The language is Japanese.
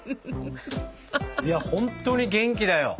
いやほんとに元気だよ。